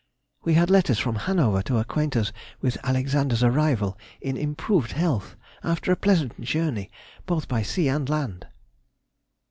_—We had letters from Hanover to acquaint us with Alexander's arrival in improved health, after a pleasant journey both by sea and land.